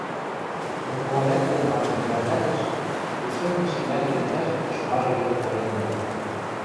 Миколаят тӹдӹм анжен йӹрӓлтӓлеш, кукшынди шимӓлгӹ лицӓжӹм ышмажы йӹр пӧремдӓ.